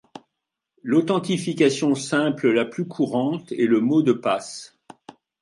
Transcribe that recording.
L'authentification simple la plus courante est le mot de passe.